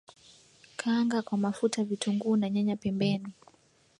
Kaanga kwa mafuta vitunguu na nyanya pembeni